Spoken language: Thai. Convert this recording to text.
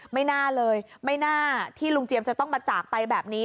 ไม่น่าเลยไม่น่าที่ลุงเจียมจะต้องมาจากไปแบบนี้